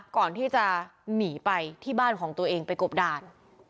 ก่อนที่จะหนีไปที่บ้านของตัวเองไปกบด่าน